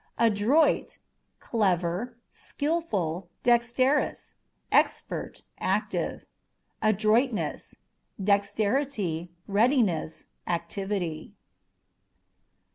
Adroit â€" clever, skilful, dexterous, expert, active. Adroitness â€" dexterity, readiness, activity.